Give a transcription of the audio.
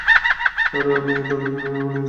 আরে আমি তো বেতন ও নিয়ে এসেছি।